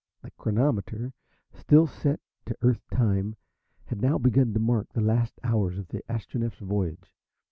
The chronometer, still set to Earth time, had now begun to mark the last hours of the Astronef's voyage.